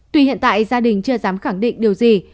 tuy hiện tại gia đình chưa dám khẳng định điều gì